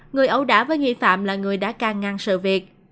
người ẩu đả với nghi phạm là người đã ca ngăn sự việc